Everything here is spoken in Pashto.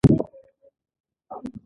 وردګ هګۍ ته آګۍ وايي.